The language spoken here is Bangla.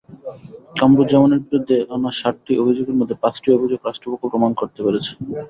কামরুজ্জামানের বিরুদ্ধে আনা সাতটি অভিযোগের মধ্যে পাঁচটি অভিযোগ রাষ্ট্রপক্ষ প্রমাণ করতে পেরেছে।